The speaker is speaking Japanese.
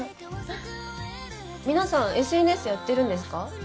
皆さんＳＮＳやってるんですか？